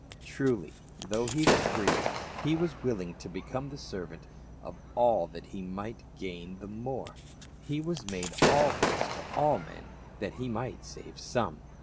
Trul)', though he was free, he was willing to become the servant of all that he might gain the more, he was made all things to all men that he might save some.